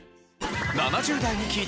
７０代に聞いた！